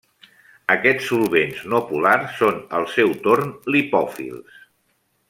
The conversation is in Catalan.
Aquests solvents no polars són al seu torn lipòfils.